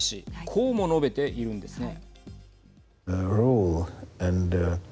こうも述べているんですね。